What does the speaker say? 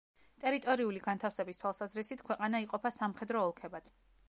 ტერიტორიული განთავსების თვალსაზრისით, ქვეყანა იყოფა სამხედრო ოლქებად.